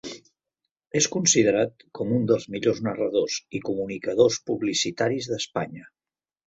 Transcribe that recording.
És considerat com un dels millors narradors i comunicadors publicitaris d'Espanya.